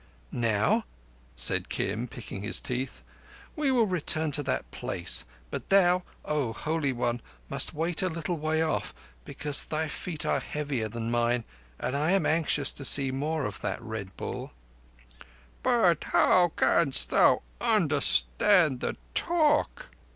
"Now," said Kim, picking his teeth, "we will return to that place; but thou, O Holy One, must wait a little way off, because thy feet are heavier than mine and I am anxious to see more of that Red Bull." "But how canst thou understand the talk?